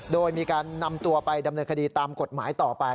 โดยมีการนำตัวไปดำเนินคดีตามกฎหมายต่อไป